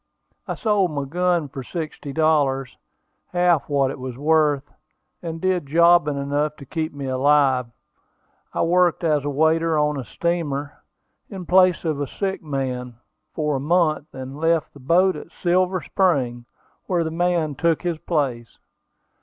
I sold my gun for sixty dollars, half what it was worth, and did jobbing enough to keep me alive. I worked as a waiter on a steamer, in place of a sick man, for a month, and left the boat at Silver Spring, where the man took his place.